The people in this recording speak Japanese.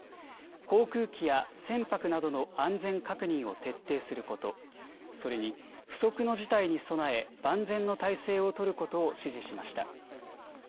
航空機や船舶などの安全確認を徹底すること、それに、不測の事態に備え、万全の態勢を取ることを指示しました。